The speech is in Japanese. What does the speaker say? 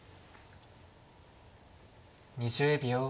２０秒。